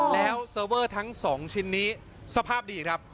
แล้วเซอร์เวอร์ทั้ง๒ชิ้นนี้สภาพดีครับ